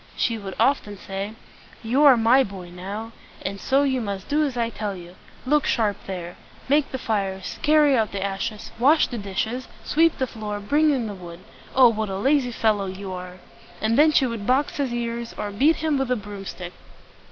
She would often say, "You are my boy now, and so you must do as I tell you. Look sharp there! Make the fires, carry out the ashes, wash these dishes, sweep the floor, bring in the wood! Oh, what a lazy fellow you are!" And then she would box his ears, or beat him with the broom stick.